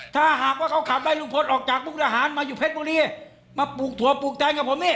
ถ้าหากว่าเขาขับไล่ลุงพลออกจากมุกดาหารมาอยู่เพชรบุรีมาปลูกถั่วปลูกแตงกับผมนี่